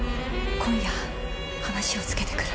今夜話をつけてくる。